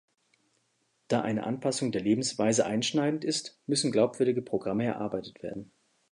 Da eine Anpassung der Lebensweise einschneidend ist, müssen glaubwürdige Programme erarbeitet werden.